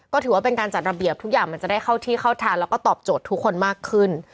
ก็ถือว่าเป็นการจัดระเบียบทุกอย่างมันจะได้เข้าที่เข้าทางแล้วก็ตอบโจทย์ทุกคนมากขึ้น